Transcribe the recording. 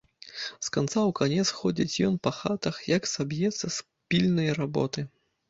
З канца ў канец ходзіць ён па хатах, як саб'ецца з пільнай работы.